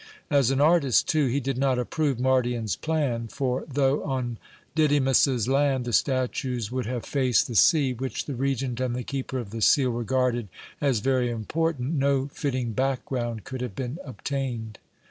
As an artist, too, he did not approve Mardion's plan; for though, on Didymus's land, the statues would have faced the sea, which the Regent and the Keeper of the Seal regarded as very important, no fitting background could have been obtained.